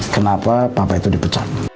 kenapa papa itu dipecat